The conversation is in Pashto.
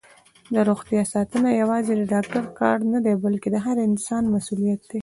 دروغتیا ساتنه یوازې د ډاکټر کار نه دی، بلکې د هر انسان مسؤلیت دی.